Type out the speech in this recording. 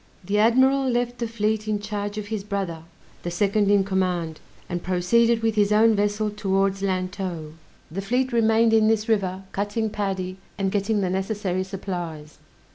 The admiral left the fleet in charge of his brother, the second in command, and proceeded with his own vessel towards Lantow. The fleet remained in this river, cutting paddy, and getting the necessary supplies.